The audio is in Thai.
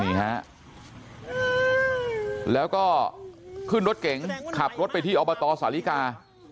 นี่ฮะแล้วก็ขึ้นรถเก๋งขับรถไปที่อบตสาลิกา